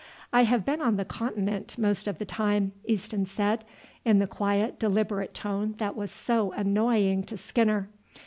"I have been on the Continent most of the time," Easton said, in the quiet, deliberate tone that was so annoying to Skinner.